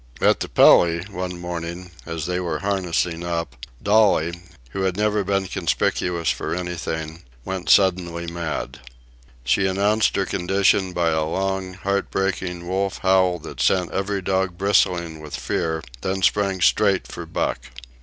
At the Pelly one morning, as they were harnessing up, Dolly, who had never been conspicuous for anything, went suddenly mad. She announced her condition by a long, heartbreaking wolf howl that sent every dog bristling with fear, then sprang straight for Buck.